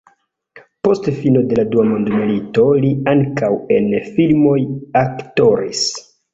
Post fino de la dua mondmilito li ankaŭ en filmoj aktoris.